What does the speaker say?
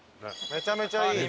めちゃめちゃいい。